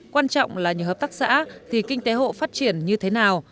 quan trọng là nhờ hợp tác xã thì kinh tế hộ phát triển như thế nào